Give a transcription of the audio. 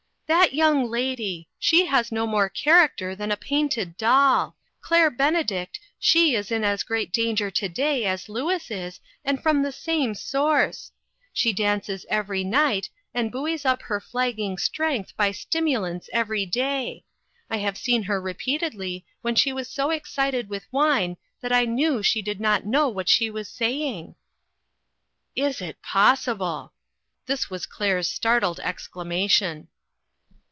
" That young lady ! She has no more charac ter than a painted doll ! Claire Benedict, she is 346 INTERRUPTED. in as great danger to day as Louis is, and from the same source ! She dances every night, and buoys up her flagging strength by stimulants every day. I have seen her repeatedly when she was so excited with wine that I knew she did not know what she was saying." " Is it possible !" This was Claire's start led exclamation.